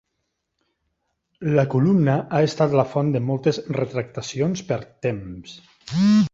La columna ha estat la font de moltes retractacions per "Temps".